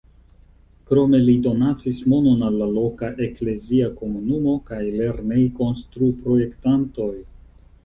Krome li donacis monon al la loka eklezia komunumo kaj lernejkonstruprojektantoj.